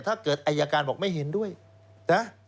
ถ้าเกิดอายการบอกไม่เห็นด้วยนะ